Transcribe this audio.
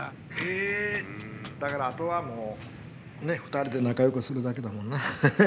だからあとはもうね２人で仲よくするだけだもんな。